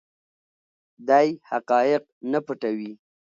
دی حقایق نه پټوي.